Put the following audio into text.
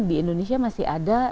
di indonesia masih ada